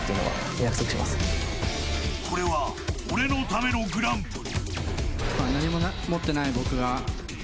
これは、俺のためのグランプリ。